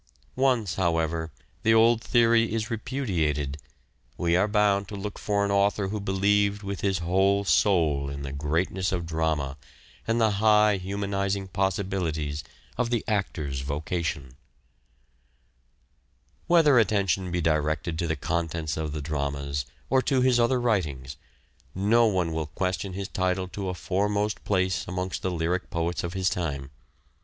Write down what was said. Once, however, the old theory is repudiated we are bound to look for an author who believed with his whole soul in the greatness of drama and the high humanizing possibilities of the actor's vocation. Known as Whether attention be directed to the contents of poet™ t*16 dramas or to his other writings, no one will question his title to a foremost place amongst the lyric poets of his time.